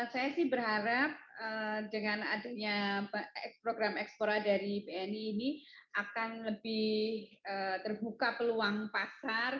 saya sih berharap dengan adanya program ekspora dari bni ini akan lebih terbuka peluang pasar